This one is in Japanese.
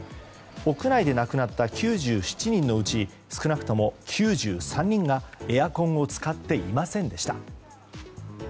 屋内で亡くなった９７人のうち少なくとも９３人がエアコンを使っていませんでした。